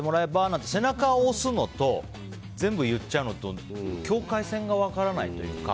って背中を押すのと全部言っちゃうのと境界線が分からないというか。